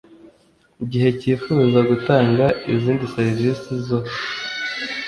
gihe cyifuza gutanga izindi serivisi zo